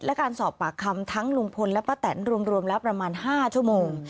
และการสอบปากคำทั้งลุงพลและป้าแตนรวมแล้วประมาณ๕ชั่วโมง